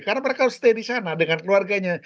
karena mereka harus stay di sana dengan keluarganya